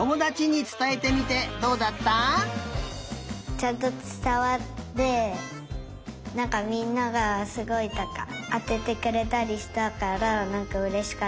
ちゃんとつたわってなんかみんながすごいとかあててくれたりしたからなんかうれしかった。